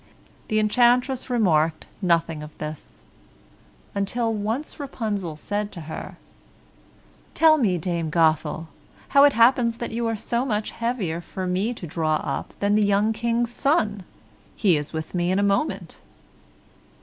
The enchantress remarked nothing of this, until once Rapunzel said to her, "Tell me, Dame Gothel, how it happens that you are so much heavier for me to draw up than the young King's son he is with me in a moment."